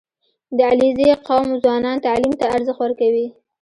• د علیزي قوم ځوانان تعلیم ته ارزښت ورکوي.